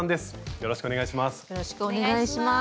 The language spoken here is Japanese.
よろしくお願いします。